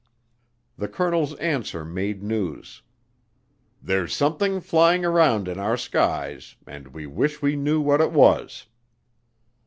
The colonel's answer made news: "There's something flying around in our skies and we wish we knew what it was."